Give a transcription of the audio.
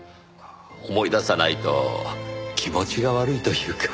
思い出さないと気持ちが悪いというか。